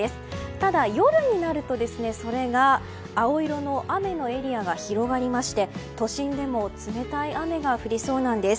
ただ、夜になると青色の雨のエリアが広がりまして都心でも冷たい雨が降りそうなんです。